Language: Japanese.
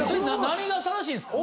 何が正しいんですか？